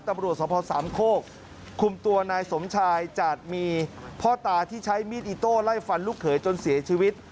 ตำรวจสภสามโคกคุมตัวนายสมชายจาดมีพ่อตาที่ใช้มีดอิโต้ไล่ฟันลูกเขยจนเสียชีวิต